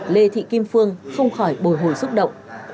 lê thị kim phương không khỏi bồi hồi xúc động